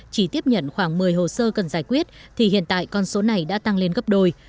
chỉ tiếp nhận khoảng một mươi hồ sơ cần giải quyết thì hiện tại con số này đã tăng lên gấp đôi